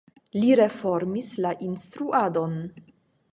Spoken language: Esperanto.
Li reformis la instruadon.